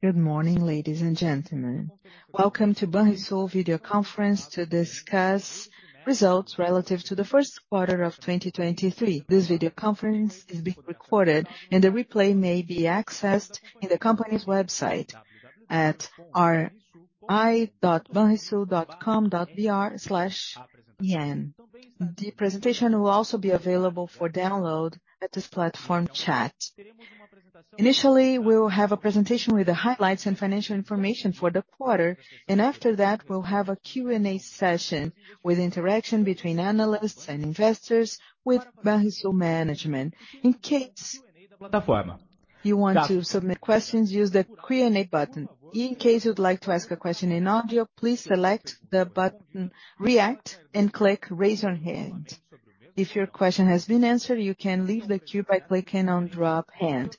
Good morning, ladies and gentlemen. Welcome to Banrisul video conference to discuss results relative to the first quarter of 2023. This video conference is being recorded and the replay may be accessed in the company's website at ri.banrisul.com.br/en. The presentation will also be available for download at this platform chat. Initially, we will have a presentation with the highlights and financial information for the quarter, and after that, we'll have a Q&A session with interaction between analysts and investors with Banrisul management. In case you want to submit questions, use the Q&A button. In case you'd like to ask a question in audio, please select the button React and click Raise Your Hand. If your question has been answered, you can leave the queue by clicking on Drop Hand.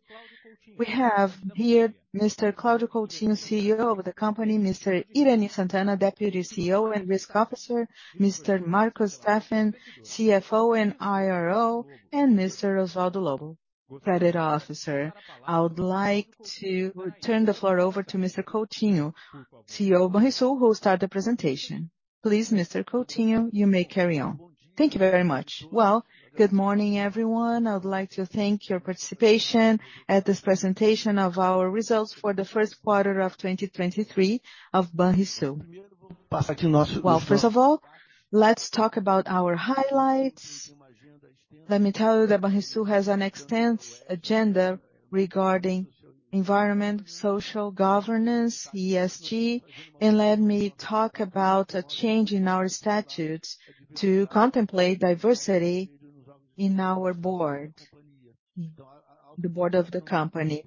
We have here Mr. Claudio Coutinho, CEO of the company, Mr. Irany Sant’Anna, Deputy CEO and Risk Officer, Mr. Marcos Staffen, CFO and IRO, and Mr. Osvaldo Lobo, Credit Officer. I would like to turn the floor over to Mr. Coutinho, CEO, Banrisul, who will start the presentation. Please, Mr. Coutinho, you may carry on. Thank you very much. Well, good morning, everyone. I would like to thank your participation at this presentation of our results for the first quarter of 2023 of Banrisul. Well, first of all, let's talk about our highlights. Let me tell you that Banrisul has an extensive agenda regarding environment, social governance, ESG. Let me talk about a change in our statutes to contemplate diversity in our board, the board of the company.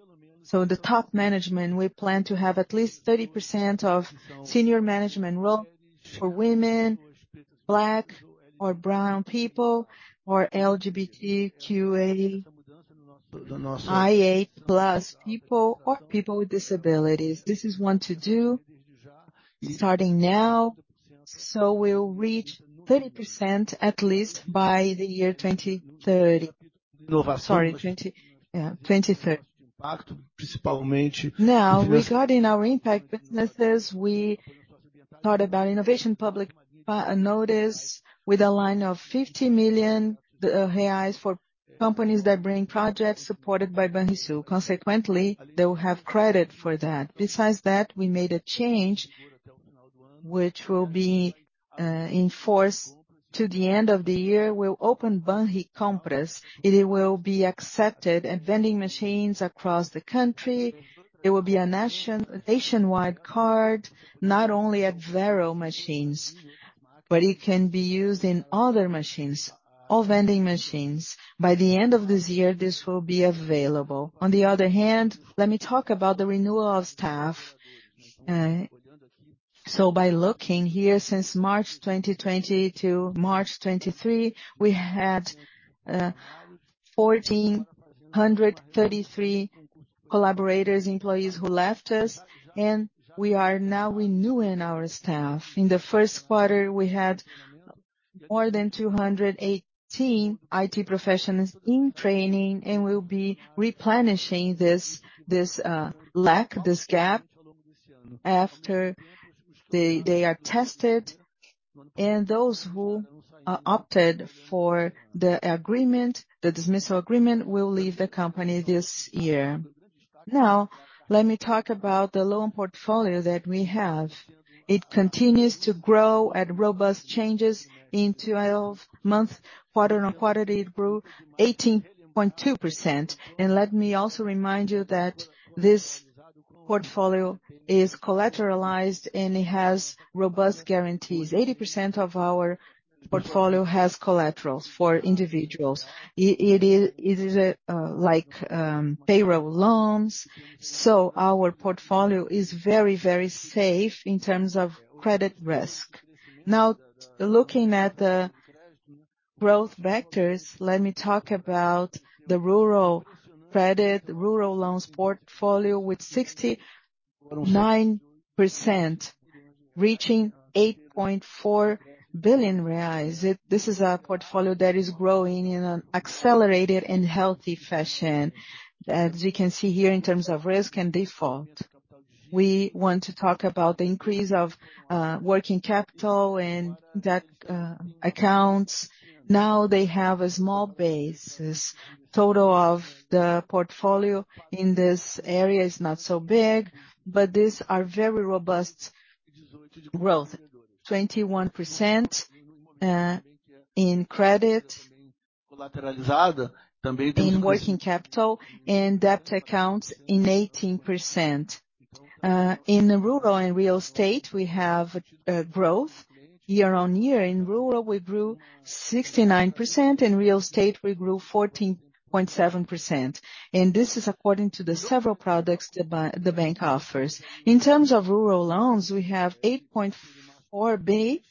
The top management, we plan to have at least 30% of senior management role for women, black or brown people, or LGBTQIA+ people, or people with disabilities. This is one to do starting now. We'll reach 30% at least by the year 2030. Sorry, 20, yeah, 2030. Regarding our impact businesses, we thought about innovation public notice with a line of 50 million reais for companies that bring projects supported by Banrisul. They will have credit for that. We made a change which will be in force to the end of the year. We'll open Banricompras. It will be accepted at vending machines across the country. It will be a nationwide card, not only at Vero machines, but it can be used in other machines, all vending machines. By the end of this year, this will be available. Let me talk about the renewal of staff. By looking here since March 2020 to March 2023, we had 1,433 collaborators, employees who left us, and we are now renewing our staff. In the 1st quarter, we had more than 218 IT professionals in training, and we'll be replenishing this lack, this gap after they are tested. Those who opted for the agreement, the dismissal agreement, will leave the company this year. Let me talk about the loan portfolio that we have. It continues to grow at robust changes. In 12 months, quarter-on-quarter, it grew 18.2%. Let me also remind you that this portfolio is collateralized, and it has robust guarantees. 80% of our portfolio has collaterals for individuals. It is like payroll loans. Our portfolio is very, very safe in terms of credit risk. Looking at the growth vectors, let me talk about the rural credit, rural loans portfolio with 69%, reaching 8.4 billion reais. This is a portfolio that is growing in an accelerated and healthy fashion, as you can see here in terms of risk and default. We want to talk about the increase of working capital and debt accounts. They have a small base. This total of the portfolio in this area is not so big, but these are very robust growth. 21% in credit, in working capital and debt accounts in 18%. In rural and real estate, we have growth year on year. In rural, we grew 69%. In real estate, we grew 14.7%. This is according to the several products the bank offers. In terms of rural loans, we have 8.4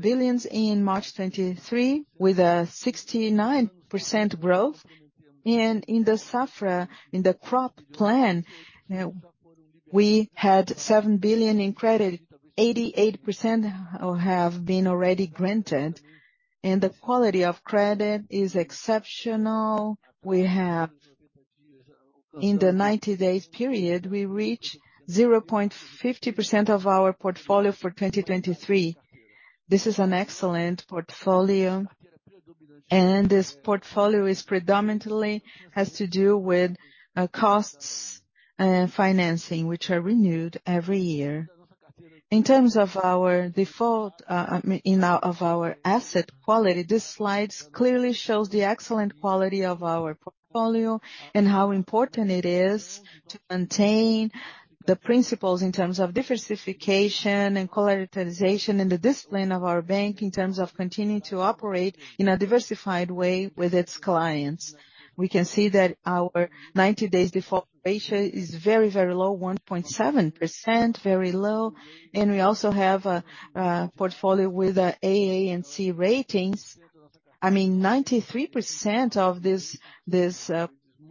billion in March 2023, with a 69% growth. In the Safra Plan, in the crop plan, we had 7 billion in credit, 88% have been already granted. The quality of credit is exceptional. In the 90 days period, we reach 0.50% of our portfolio for 2023. This is an excellent portfolio, and this portfolio is predominantly has to do with costs and financing, which are renewed every year. In terms of our default, in terms of our asset quality, these slides clearly shows the excellent quality of our portfolio and how important it is to maintain the principles in terms of diversification and characterization and the discipline of our bank in terms of continuing to operate in a diversified way with its clients. We can see that our 90 days default ratio is very low, 1.7%, very low. We also have a portfolio with AA and C ratings. I mean, 93% of this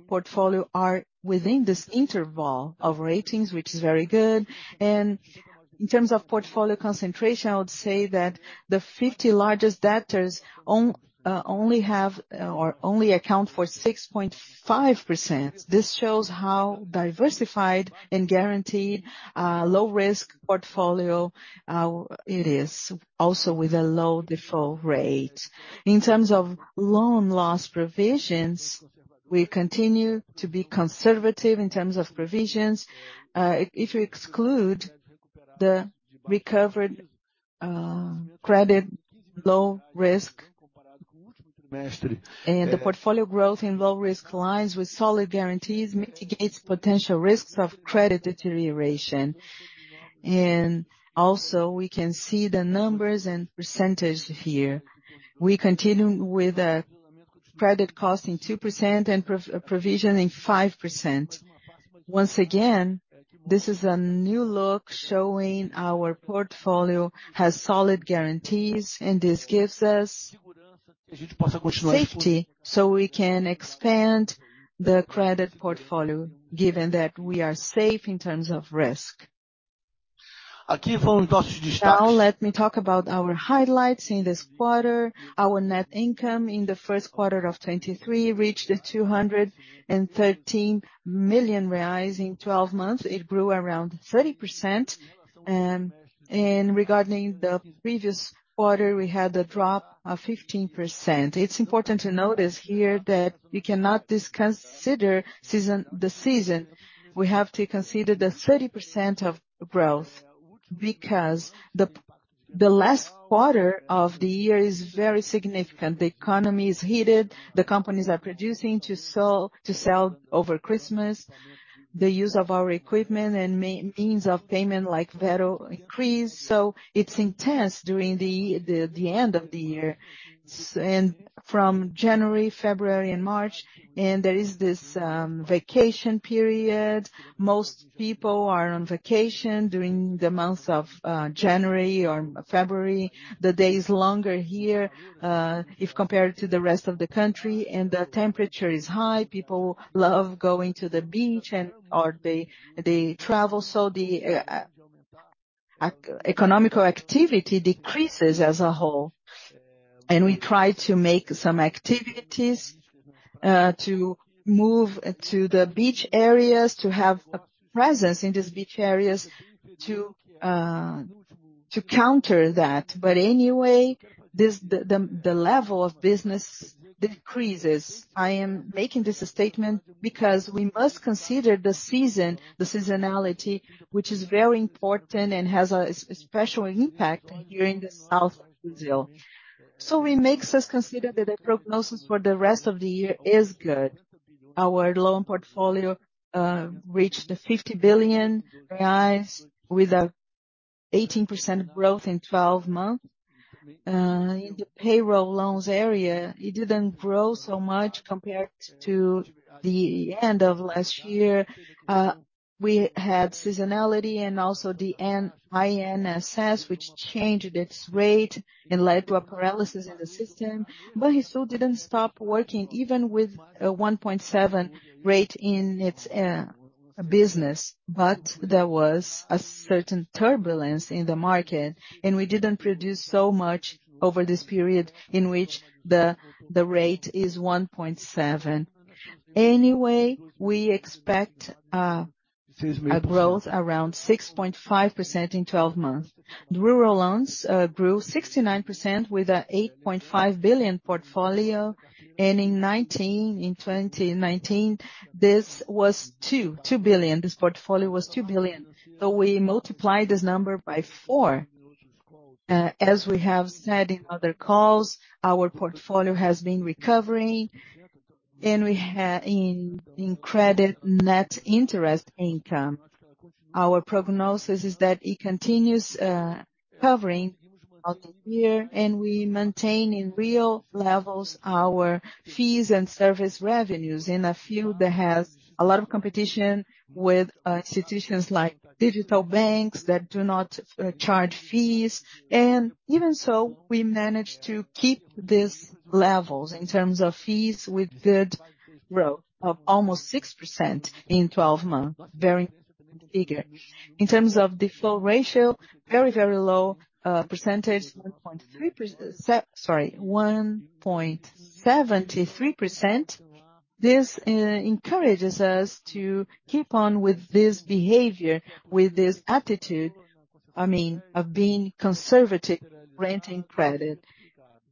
portfolio are within this interval of ratings, which is very good. In terms of portfolio concentration, I would say that the 50 largest debtors only have or only account for 6.5%. This shows how diversified and guaranteed low risk portfolio, it is also with a low default rate. In terms of loan loss provisions, we continue to be conservative in terms of provisions. If you exclude the recovered credit low risk. The portfolio growth in low risk aligns with solid guarantees, mitigates potential risks of credit deterioration. Also, we can see the numbers and percentage here. We continue with credit costing 2% and pro-provisioning 5%. Once again, this is a new look showing our portfolio has solid guarantees, and this gives us safety, so we can expand the credit portfolio, given that we are safe in terms of risk. Now let me talk about our highlights in this quarter. Our net income in the first quarter of 2023 reached 213 million reais. In 12 months, it grew around 30%. Regarding the previous quarter, we had a drop of 15%. It's important to notice here that we cannot disconsider the season. We have to consider the 30% of growth because the last quarter of the year is very significant. The economy is heated, the companies are producing to sell, to sell over Christmas, the use of our equipment and means of payment like Vero increase. It's intense during the end of the year and from January, February and March, and there is this vacation period. Most people are on vacation during the months of January or February. The day is longer here, if compared to the rest of the country, the temperature is high. People love going to the beach or they travel, the economical activity decreases as a whole. We try to make some activities to move to the beach areas to have a presence in these beach areas to counter that. Anyway, the level of business decreases. I am making this statement because we must consider the season, the seasonality, which is very important and has a special impact here in the south of Brazil. It makes us consider that the prognosis for the rest of the year is good. Our loan portfolio reached 50 billion reais with 18% growth in 12 months. In the payroll loans area, it didn't grow so much compared to the end of last year. We had seasonality and also the INSS, which changed its rate and led to a paralysis in the system. It still didn't stop working, even with a 1.7% rate in its business. There was a certain turbulence in the market, and we didn't produce so much over this period in which the rate is 1.7%. We expect a growth around 6.5% in 12 months. Rural loans grew 69% with a 8.5 billion portfolio. In 2019, this was 2 billion. This portfolio was 2 billion. We multiplied this number by four. As we have said in other calls, our portfolio has been recovering, and we in credit net interest income. Our prognosis is that it continues recovering out of here, and we maintain in real levels our fees and service revenues in a field that has a lot of competition with institutions like digital banks that do not charge fees. Even so, we managed to keep these levels in terms of fees with good growth of almost 6% in 12 months. Very good. Digger. In terms of default ratio, very, very low percentage, 1.73%. This encourages us to keep on with this behavior, with this attitude, I mean, of being conservative, granting credit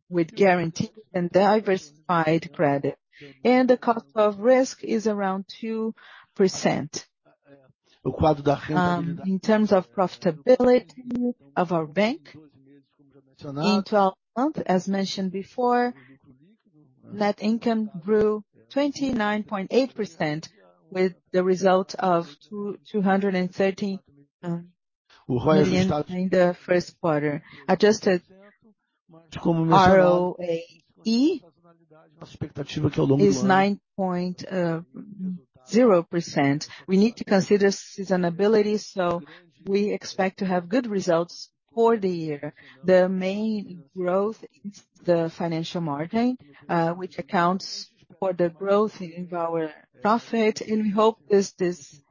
with guarantee and diversified credit. The cost of risk is around 2%. In terms of profitability of our bank, in 12 months, as mentioned before, net income grew 29.8% with the result of 213 million in the first quarter. Adjusted ROAE is 9.0%. We need to consider seasonality. We expect to have good results for the year. The main growth is the financial margin, which accounts for the growth in our profit. We hope this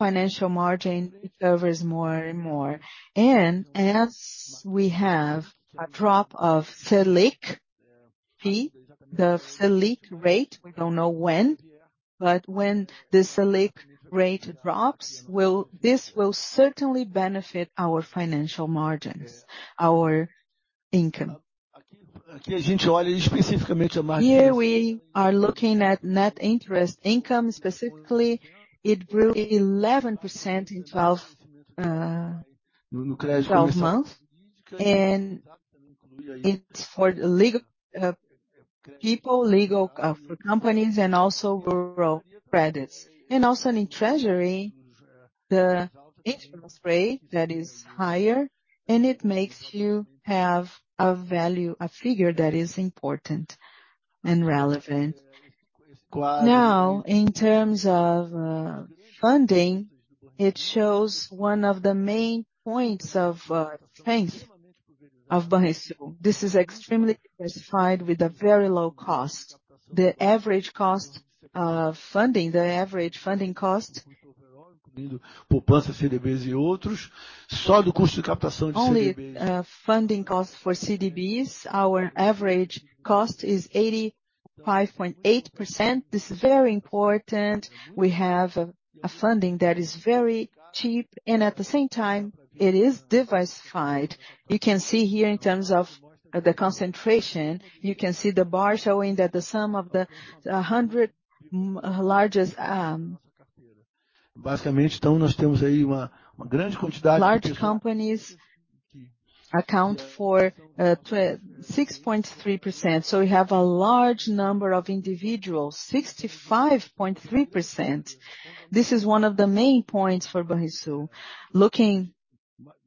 financial margin recovers more and more. As we have a drop of Selic rate, the Selic rate, we don't know when, but when the Selic rate drops, this will certainly benefit our financial margins, our income. Here, we are looking at net interest income. Specifically, it grew 11% in 12 months. It's for legal people, legal for companies and also rural credits. Also in treasury, the interest rate that is higher, and it makes you have a value, a figure that is important and relevant. In terms of funding, it shows one of the main points of strength of Banrisul. This is extremely diversified with a very low cost. The average cost of funding, the average funding cost, only funding cost for CDBs, our average cost is 85.8%. This is very important. We have a funding that is very cheap, and at the same time, it is diversified. You can see here in terms of the concentration. You can see the bar showing that the sum of the 100 largest large companies account for 6.3%. We have a large number of individuals, 65.3%. This is one of the main points for Banrisul. Looking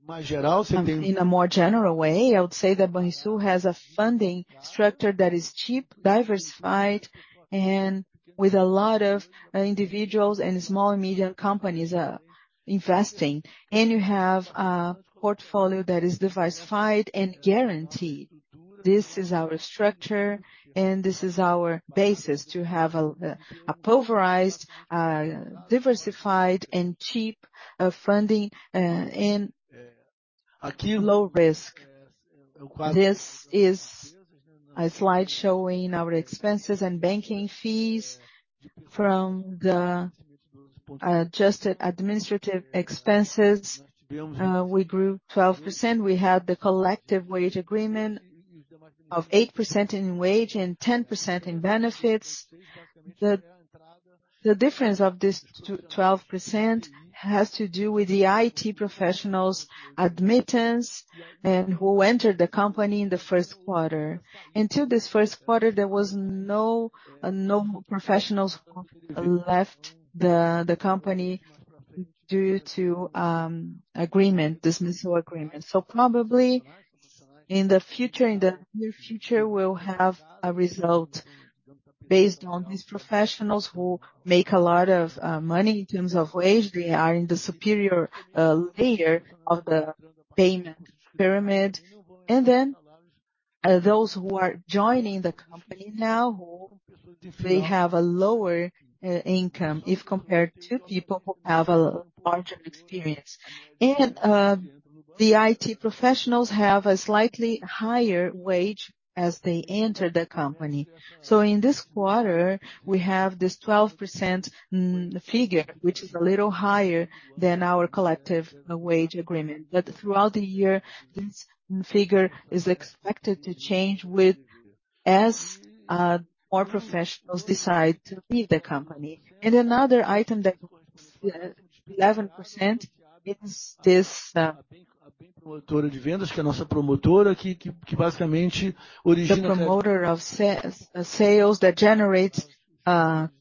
in a more general way, I would say that Banrisul has a funding structure that is cheap, diversified, and with a lot of individuals and small and medium companies investing. You have a portfolio that is diversified and guaranteed. This is our structure, and this is our basis to have a pulverized, diversified and cheap funding and low risk. This is a slide showing our expenses and banking fees. From the adjusted administrative expenses, we grew 12%. We had the collective wage agreement of 8% in wage and 10% in benefits. The difference of this 12% has to do with the IT professionals' admittance and who entered the company in the first quarter. Until this first quarter, there was no professionals who left the company due to agreement, dismissal agreement. Probably in the future, in the near future, we'll have a result based on these professionals who make a lot of money in terms of wage. They are in the superior layer of the payment pyramid. Those who are joining the company now, who they have a lower income if compared to people who have a larger experience. The IT professionals have a slightly higher wage as they enter the company. In this quarter, we have this 12% figure, which is a little higher than our collective wage agreement. Throughout the year, this figure is expected to change as more professionals decide to leave the company. Another item that 11% is this, the promoter of sales that generates payroll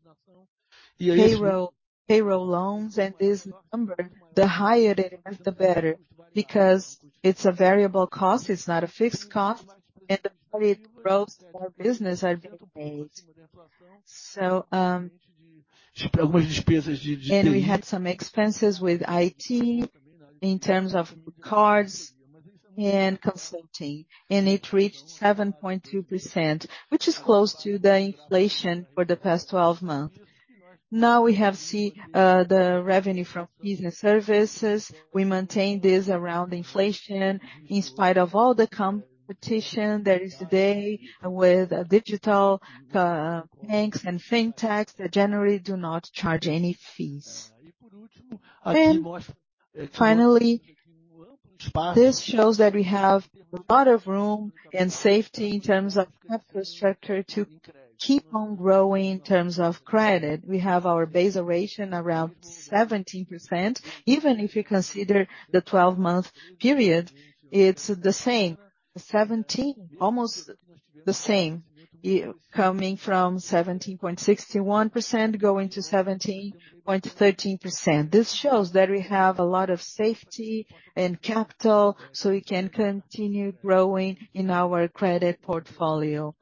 loans. This number, the higher it is, the better because it's a variable cost, it's not a fixed cost, and the higher it grows, more business are being made. We had some expenses with IT in terms of cards and consulting, and it reached 7.2%, which is close to the inflation for the past 12 months. We have the revenue from business services. We maintain this around inflation in spite of all the competition there is today with digital banks and fintechs that generally do not charge any fees. Finally, this shows that we have a lot of room and safety in terms of infrastructure to keep on growing in terms of credit. We have our base ratio around 17%. Even if you consider the 12-month period, it's the same. 17, almost the same, coming from 17.61%, going to 17.13%. This shows that we have a lot of safety and capital, we can continue growing in our credit portfolio.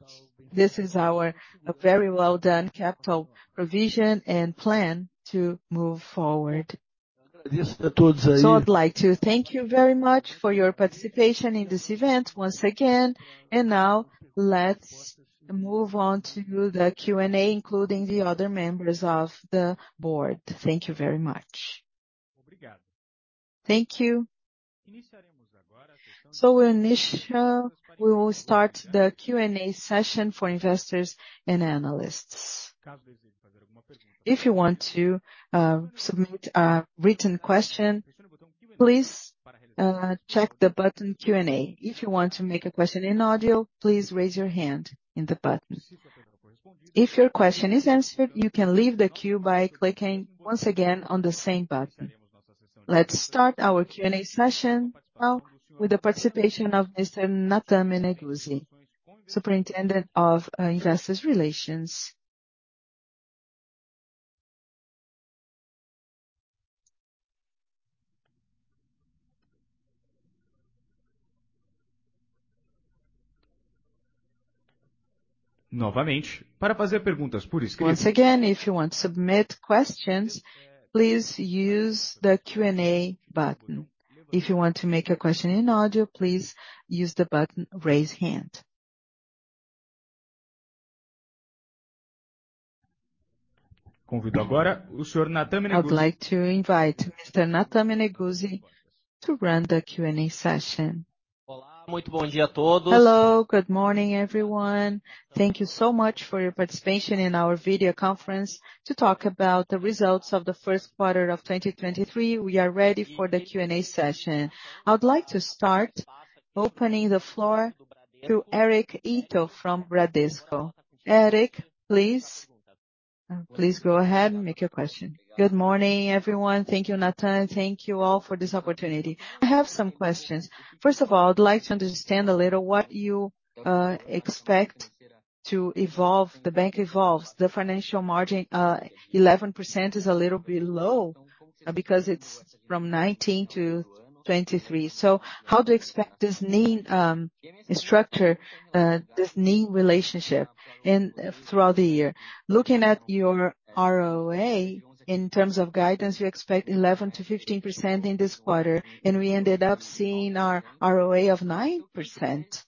This is our very well done capital provision and plan to move forward. I'd like to thank you very much for your participation in this event once again. Now let's move on to the Q&A, including the other members of the board. Thank you very much. Thank you. Initial, we will start the Q&A session for investors and analysts. If you want to submit a written question, please check the button Q&A. If you want to make a question in audio, please raise your hand in the button. If your question is answered, you can leave the queue by clicking once again on the same button. Let's start our Q&A session now with the participation of Mr. Natan Meneguzzi, Superintendent of Investor Relations. Once again, if you want to submit questions, please use the Q&A button. If you want to make a question in audio, please use the button Raise Hand. I'd like to invite Mr. Natan Meneguzzi to run the Q&A session. Hello, good morning, everyone. Thank you so much for your participation in our video conference to talk about the results of the first quarter of 2023. We are ready for the Q&A session. I would like to start opening the floor to Eric Ito from Bradesco. Eric, please. Please go ahead and make your question. Good morning, everyone. Thank you, Natan. Thank you all for this opportunity. I have some questions. First of all, I'd like to understand a little what you expect to evolve, the bank evolves. The financial margin, 11% is a little below because it's from 19 to 23. How do you expect this need structure, this need relationship throughout the year? Looking at your ROA, in terms of guidance, we expect 11%-15% in this quarter, and we ended up seeing our ROA of 9%.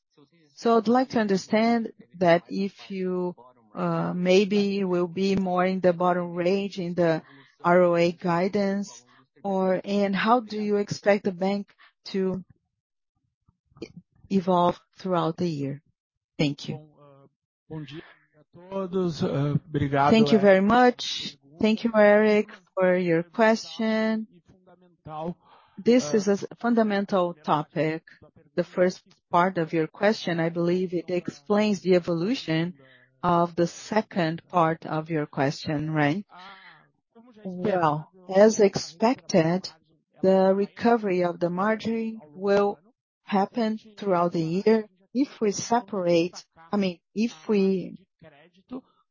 I'd like to understand that if you maybe will be more in the bottom range in the ROA guidance and how do you expect the bank to evolve throughout the year? Thank you. Thank you very much. Thank you, Eric, for your question. This is a fundamental topic. The first part of your question, I believe it explains the evolution of the second part of your question, right? Well, as expected, the recovery of the margin will happen throughout the year. If we separate, I mean, if we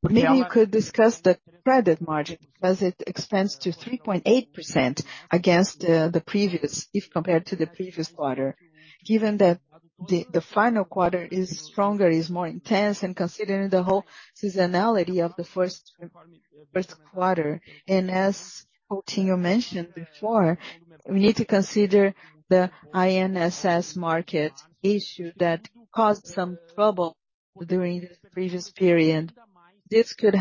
Maybe you could discuss the credit margin because it expands to 3.8% against the previous, if compared to the previous quarter. Given that the final quarter is stronger, is more intense, and considering the whole seasonality of the first quarter. As Coutinho mentioned before, we need to consider the INSS market issue that caused some trouble during the previous period. This could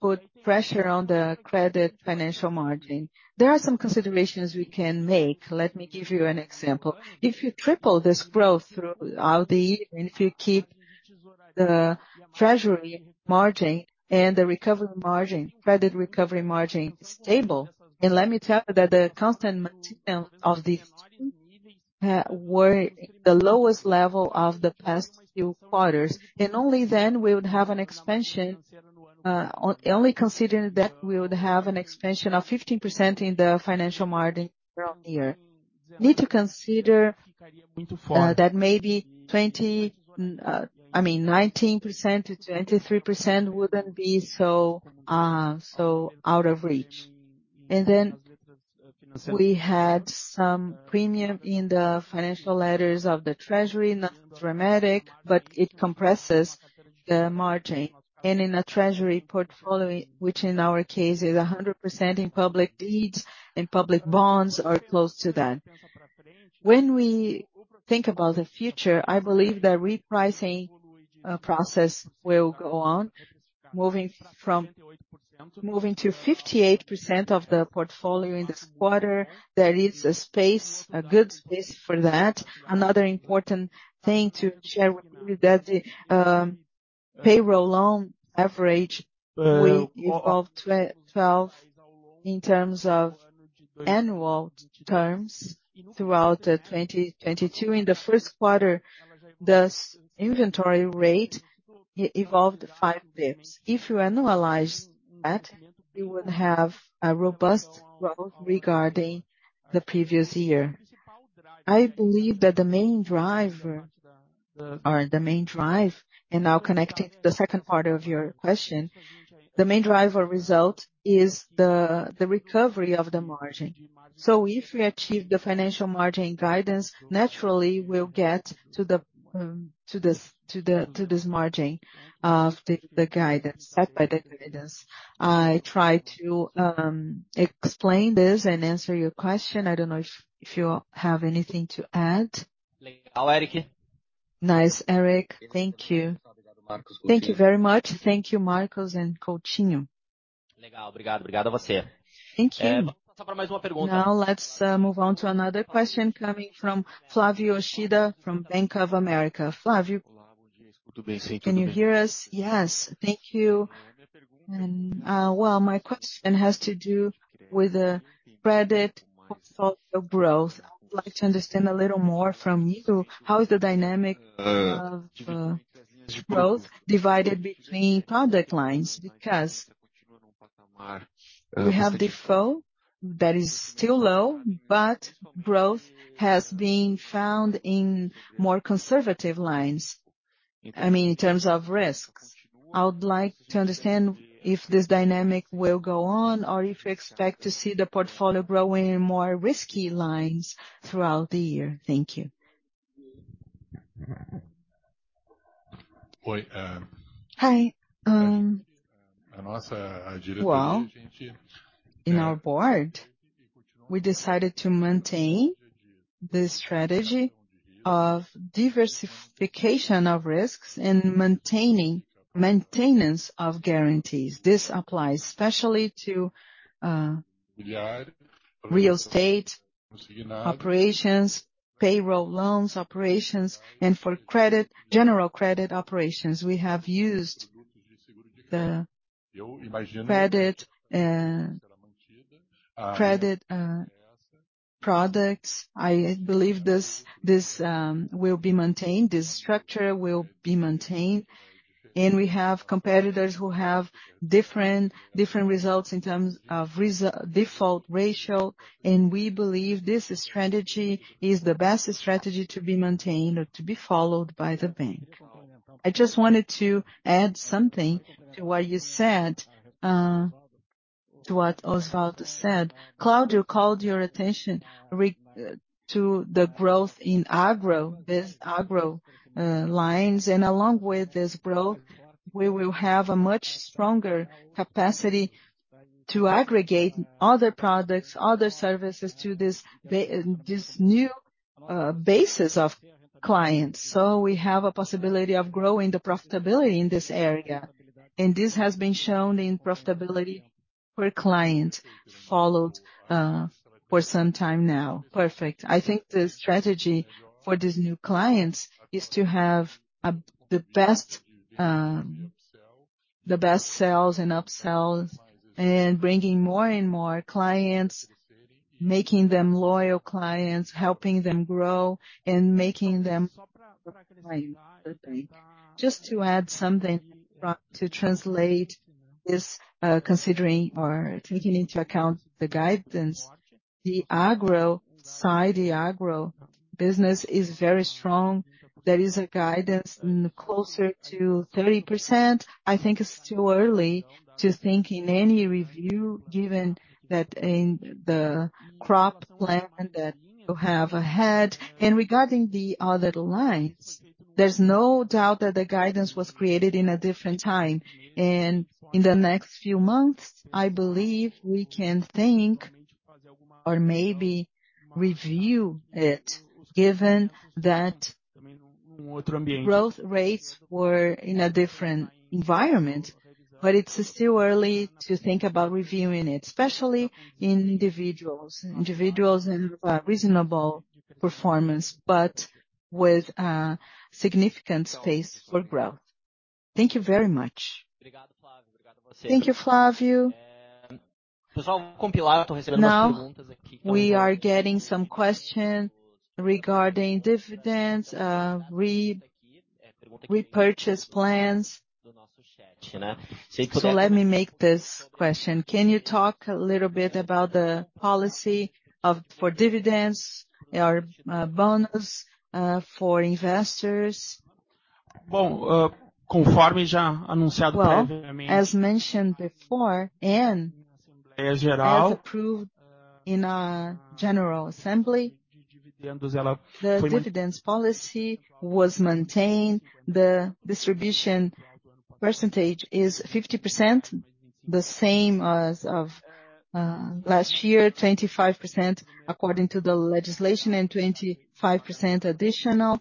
put pressure on the credit financial margin. There are some considerations we can make. Let me give you an example. If you triple this growth throughout the year, and if you keep the treasury margin and the recovery margin, credit recovery margin stable. Let me tell you that the constant maintenance of these two were the lowest level of the past few quarters. Only then we would have an expansion, only considering that we would have an expansion of 15% in the financial margin around the year. Need to consider that maybe 20, I mean, 19%-23% wouldn't be so out of reach. Then we had some premium in the financial letters of the treasury, not dramatic, but it compresses the margin. In a treasury portfolio, which in our case is 100% in public deeds and public bonds are close to that. When we think about the future, I believe the repricing process will go on. Moving to 58% of the portfolio in this quarter, there is a space, a good space for that. Another important thing to share with you that the payroll loan average will evolve 12 in terms of annual terms throughout 2022. In the first quarter, this inventory rate evolved 5 basis points. If you annualize that, you would have a robust growth regarding the previous year. I believe that the main driver, or the main drive, and now connecting to the second part of your question, the main driver result is the recovery of the margin. If we achieve the financial margin guidance, naturally we'll get to this margin of the guidance set by the guidance. I try to explain this and answer your question. I don't know if you have anything to add. Nice, Eric. Thank you. Thank you very much. Thank you, Marcos and Coutinho. Thank you. Let's move on to another question coming from Flavio Yoshida from Bank of America. Flavio, can you hear us? Yes. Thank you. Well, my question has to do with the credit portfolio growth. I would like to understand a little more from you, how is the dynamic of growth divided between product lines? We have default that is still low, but growth has been found in more conservative lines, I mean, in terms of risks. I would like to understand if this dynamic will go on or if you expect to see the portfolio grow in more risky lines throughout the year. Thank you. Hi. Well, in our board, we decided to maintain the strategy of diversification of risks and maintenance of guarantees. This applies especially to real estate operations, payroll loans operations, and for general credit operations. We have used the credit products. I believe this will be maintained, this structure will be maintained. We have competitors who have different results in terms of default ratio, and we believe this strategy is the best strategy to be maintained or to be followed by the bank. I just wanted to add something to what you said, to what Osvaldo said. Claudio called your attention to the growth in agro, this agro lines, and along with this growth, we will have a much stronger capacity to aggregate other products, other services to this new basis of clients. We have a possibility of growing the profitability in this area, and this has been shown in profitability per client, followed for some time now. Perfect. I think the strategy for these new clients is to have the best sales and upsells and bringing more and more clients, making them loyal clients, helping them grow and making them clients of the bank. Just to add something to translate this, considering or taking into account the guidance, the agro side, the agro business is very strong. There is a guidance closer to 30%. I think it's too early to think in any review, given that in the crop plan that you have ahead. Regarding the other lines, there's no doubt that the guidance was created in a different time. In the next few months, I believe we can think or maybe review it, given that growth rates were in a different environment. But it's still early to think about reviewing it, especially in individuals. Individuals in reasonable performance, but with significant space for growth. Thank you very much. Thank you, Flavio. Now, we are getting some question regarding dividends, repurchase plans. Let me make this question. Can you talk a little bit about the policy for dividends or bonus for investors? Well, as mentioned before, and as approved in our general assembly, the dividends policy was maintained. The distribution percentage is 50%, the same as, of, last year, 25% according to the legislation, and 25% additional.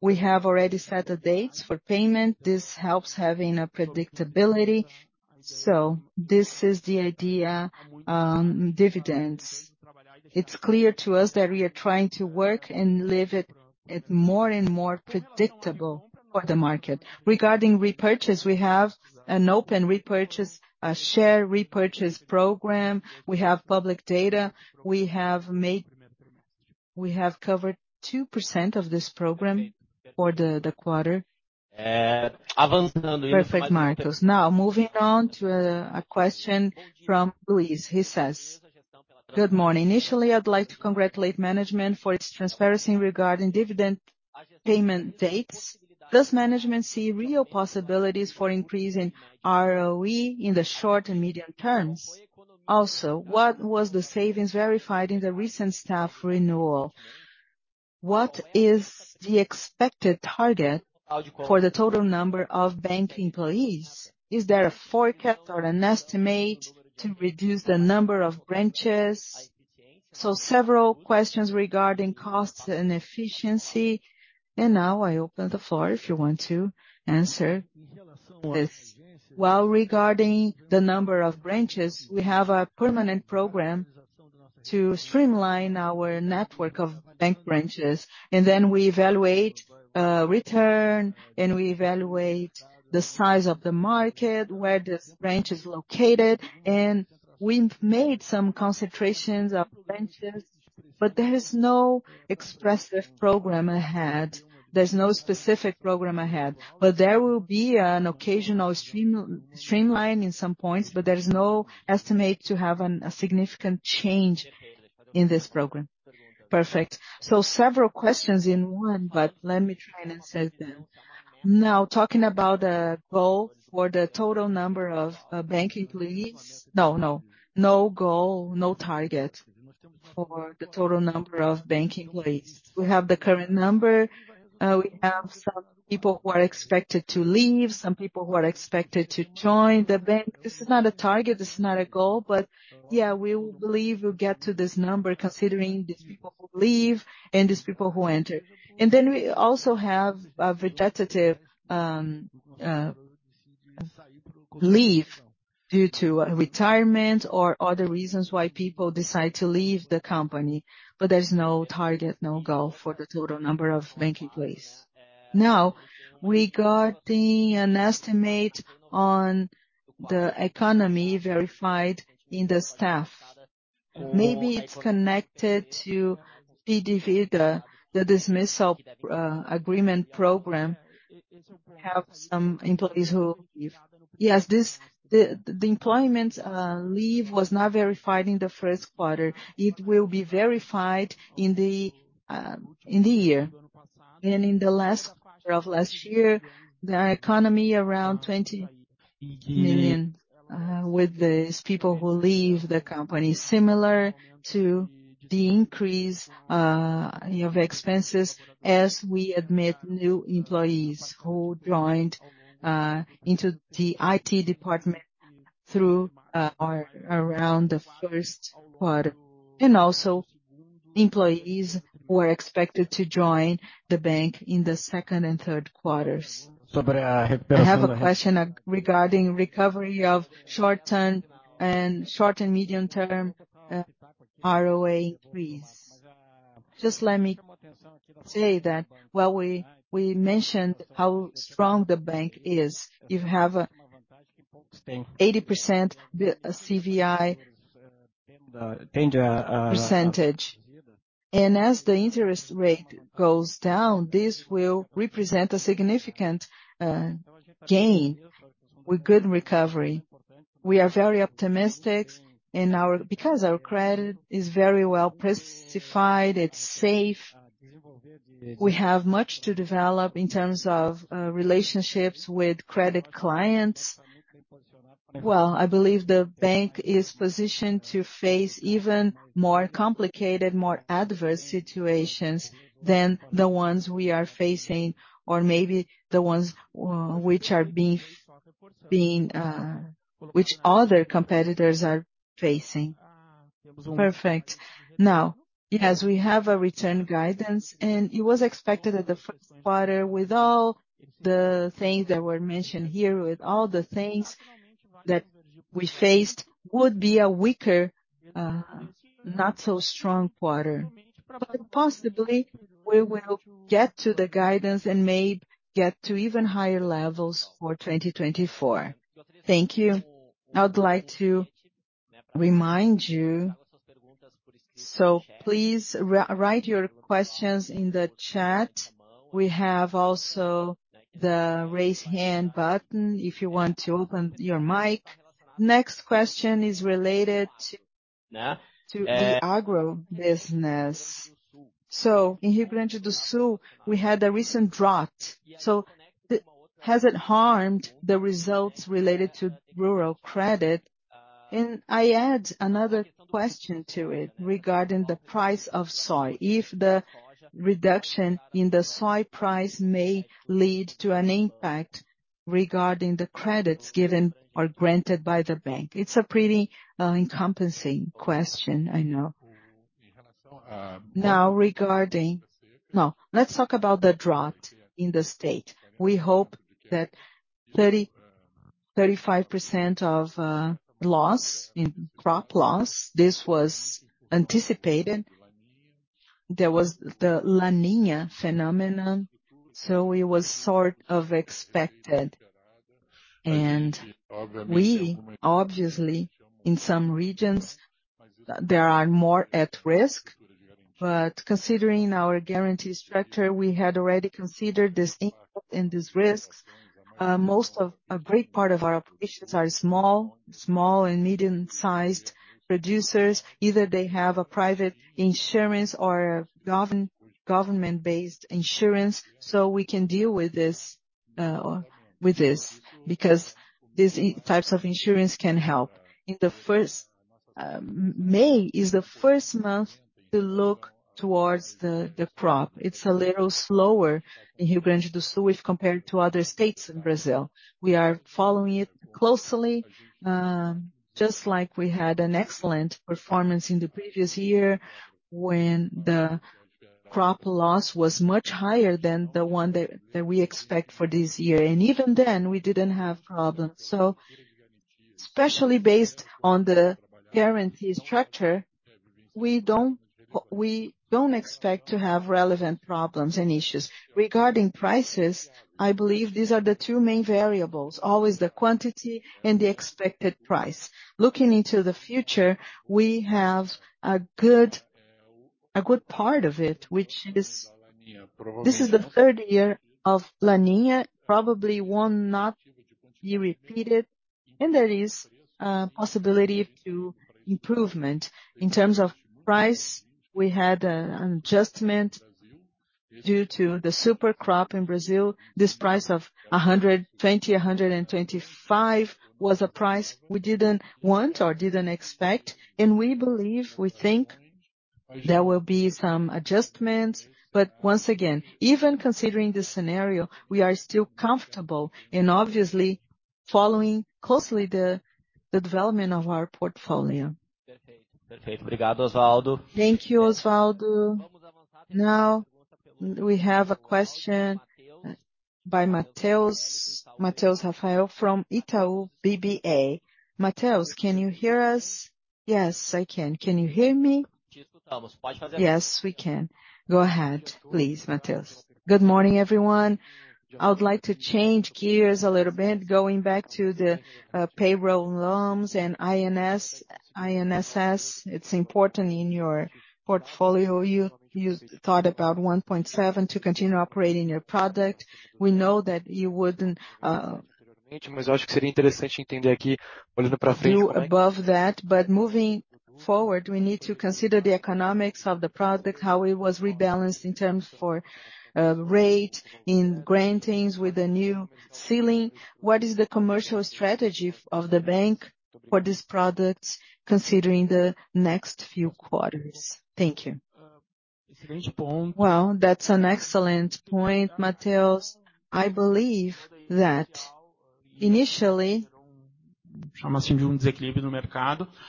We have already set the dates for payment. This helps having a predictability. So this is the idea, dividends. It's clear to us that we are trying to work and leave it more and more predictable for the market. Regarding repurchase, we have an open repurchase, a share repurchase program. We have public data. We have covered 2% of this program for the quarter. Perfect, Marcos. Moving on to a question from Luis. He says, "Good morning. Initially, I'd like to congratulate management for its transparency regarding dividend payment dates. Does management see real possibilities for increasing ROE in the short and medium terms? Also, what was the savings verified in the recent staff renewal? What is the expected target for the total number of bank employees? Is there a forecast or an estimate to reduce the number of branches?" Several questions regarding costs and efficiency. Now I open the floor if you want to answer this. Regarding the number of branches, we have a permanent program to streamline our network of bank branches, then we evaluate return, we evaluate the size of the market, where this branch is located. We've made some concentrations of branches, there is no expressive program ahead. There's no specific program ahead, but there will be an occasional stream, streamline in some points, but there is no estimate to have a significant change in this program. Perfect. Several questions in one, but let me try and answer them. Now, talking about the goal for the total number of bank employees. No. No goal, no target for the total number of bank employees. We have the current number. We have some people who are expected to leave, some people who are expected to join the bank. This is not a target, this is not a goal, but yeah, we will believe we'll get to this number considering these people who leave and these people who enter. We also have a vegetative leave due to retirement or other reasons why people decide to leave the company, there's no target, no goal for the total number of bank employees. Regarding an estimate on the economy verified in the staff. Maybe it's connected to PDV, the dismissal agreement program. We have some employees who leave. The employment leave was not verified in the first quarter. It will be verified in the year. In the last quarter of last year, the economy around 20 million with these people who leave the company, similar to the increase, you know, of expenses as we admit new employees who joined into the IT department through or around the first quarter, and also employees who are expected to join the bank in the second and third quarters. I have a question regarding recovery of short-term and short and medium-term ROA increase. Just let me say that while we mentioned how strong the bank is, you have a 80% CVI-danger Percentage. As the interest rate goes down, this will represent a significant gain with good recovery. We are very optimistic Because our credit is very well precified, it's safe. We have much to develop in terms of relationships with credit clients. I believe the bank is positioned to face even more complicated, more adverse situations than the ones we are facing or maybe the ones which are being which other competitors are facing. Perfect. Yes, we have a return guidance. It was expected that the first quarter, with all the things that were mentioned here, with all the things that we faced, would be a weaker, not so strong quarter. Possibly, we will get to the guidance and maybe get to even higher levels for 2024. Thank you. I would like to remind you, so please write your questions in the chat. We have also the raise hand button if you want to open your mic. Next question is related to the agro business. In Rio Grande do Sul, we had a recent drought. Has it harmed the results related to rural credit? I add another question to it regarding the price of soy. If the reduction in the soy price may lead to an impact regarding the credits given or granted by the bank. It's a pretty encompassing question, I know. Regarding. Let's talk about the drought in the state. We hope that 30%-35% of loss, in crop loss, this was anticipated. There was the La Niña phenomenon, so it was sort of expected. We obviously, in some regions, there are more at risk. Considering our guarantee structure, we had already considered this input and these risks. A great part of our operations are small and medium-sized producers. Either they have a private insurance or government-based insurance, so we can deal with this, with this because these types of insurance can help. In the first, May is the first month to look towards the crop. It's a little slower in Rio Grande do Sul if compared to other states in Brazil. We are following it closely, just like we had an excellent performance in the previous year when the crop loss was much higher than the one that we expect for this year. Even then, we didn't have problems. Especially based on the guarantee structure, we don't expect to have relevant problems and issues. Regarding prices, I believe these are the two main variables, always the quantity and the expected price. Looking into the future, we have a good part of it, which is this is the third year of La Niña, probably will not be repeated, and there is possibility to improvement. In terms of price, we had an adjustment due to the super crop in Brazil. This price of 120, 125 was a price we didn't want or didn't expect, we believe, we think there will be some adjustments. Once again, even considering this scenario, we are still comfortable and obviously following closely the development of our portfolio. Thank you, Osvaldo. Now we have a question by, Matheus Raffaelli from Itaú BBA. Mateus, can you hear us? Yes, I can. Can you hear me? Yes, we can. Go ahead, please, Matheus. Good morning, everyone. I would like to change gears a little bit, going back to the payroll loans and INSS. It's important in your portfolio. You thought about 1.7% to continue operating your product. We know that you wouldn't do above that. Moving forward, we need to consider the economics of the product, how it was rebalanced in terms for rate, in grantings with the new ceiling. What is the commercial strategy of the bank for these products, considering the next few quarters? Thank you. Well, that's an excellent point, Matheus. I believe that initially,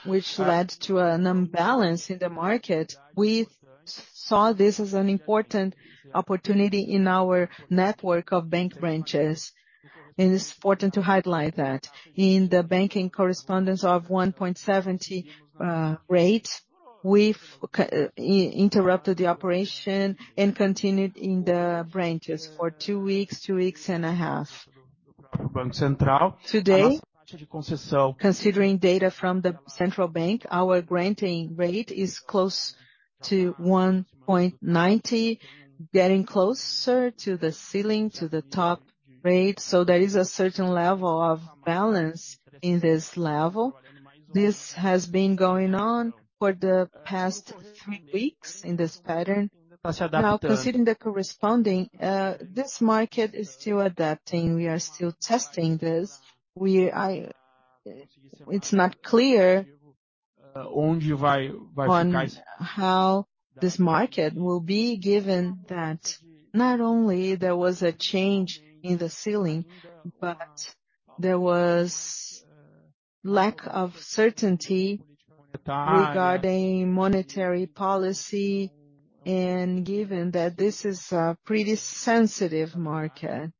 which led to an imbalance in the market, we saw this as an important opportunity in our network of bank branches, and it's important to highlight that. In the banking correspondence of 1.70 rate, we've interrupted the operation and continued in the branches for 2 weeks, 2 weeks and a half. Today, considering data from the central bank, our granting rate is close to 1.90, getting closer to the ceiling, to the top rate. There is a certain level of balance in this level. This has been going on for the past 3 weeks in this pattern. Considering the corresponding, this market is still adapting. We are still testing this. It's not clear on how this market will be given that not only there was a change in the ceiling, but there was lack of certainty regarding monetary policy. Given that this is a pretty sensitive market,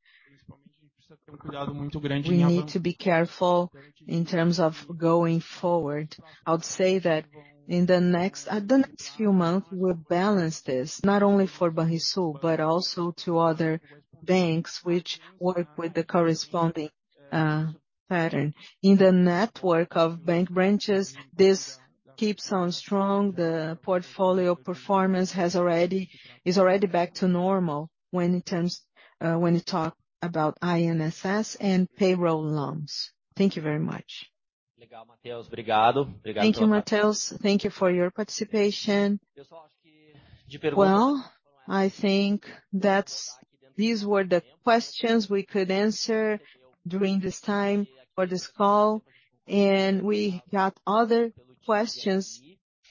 we need to be careful in terms of going forward. I would say that in the next, the next few months, we'll balance this, not only for Banrisul, but also to other banks which work with the corresponding, pattern. In the network of bank branches, this keeps on strong. The portfolio performance is already back to normal when it terms, when you talk about INSS and payroll loans. Thank you very much. Thank you, Matheus. Thank you for your participation. Well, I think these were the questions we could answer during this time for this call. We got other questions.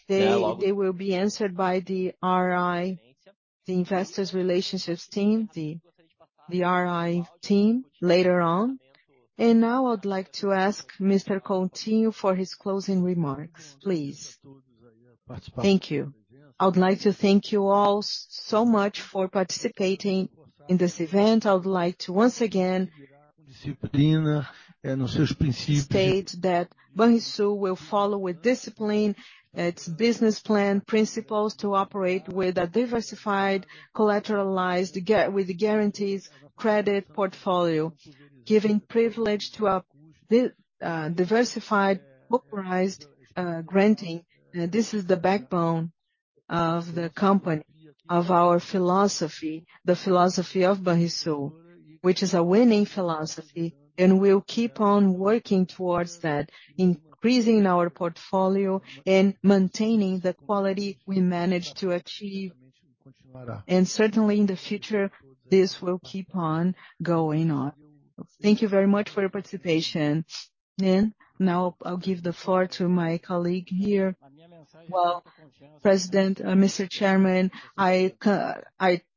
They will be answered by the RI, the investors' relationships team, the RI team later on. Now I would like to ask Mr. Coutinho for his closing remarks, please. Thank you. I would like to thank you all so much for participating in this event. I would like to once again state that Banrisul will follow with discipline its business plan principles to operate with a diversified collateralized with guarantees credit portfolio, giving privilege to a diversified book-risen granting. This is the backbone of the company, of our philosophy, the philosophy of Banrisul, which is a winning philosophy. We'll keep on working towards that, increasing our portfolio and maintaining the quality we managed to achieve. Certainly in the future, this will keep on going on. Thank you very much for your participation. Now I'll give the floor to my colleague here. Well, President, Mr. Chairman, I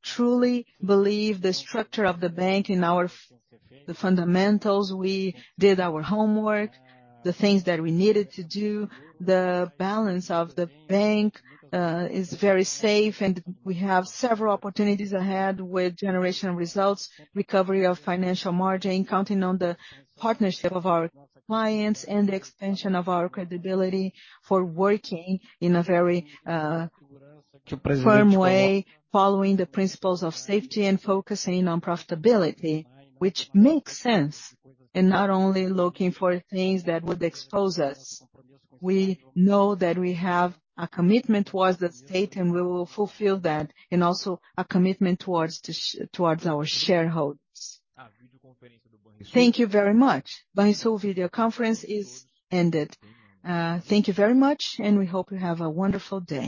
truly believe the structure of the bank in our the fundamentals. We did our homework, the things that we needed to do. The balance of the bank is very safe, and we have several opportunities ahead with generation results, recovery of financial margin, counting on the partnership of our clients and the expansion of our credibility for working in a very firm way, following the principles of safety and focusing on profitability, which makes sense, and not only looking for things that would expose us. We know that we have a commitment towards the state, and we will fulfill that, and also a commitment towards the towards our shareholders. Thank you very much. Banrisul video conference is ended. Thank you very much, and we hope you have a wonderful day.